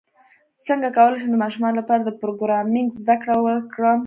څنګه کولی شم د ماشومانو لپاره د پروګرامینګ زدکړه ورکړم